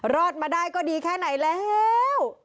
รอดมาได้ก็ดีแค่ไหนแล้ว